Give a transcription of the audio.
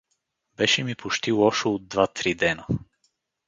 Беше ми почти лошо от два-три дена.